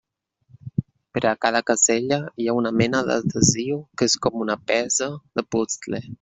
Per a cada casella hi ha una mena d'adhesiu que és com una peça de puzle.